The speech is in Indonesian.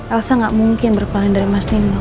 elsa gak mungkin berkembangin dari mas nino